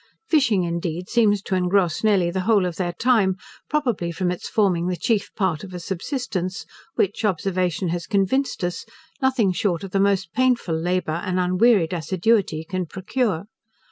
Fishing, indeed, seems to engross nearly the whole of their time, probably from its forming the chief part of a subsistence, which, observation has convinced us, nothing short of the most painful labour, and unwearied assiduity, can procure.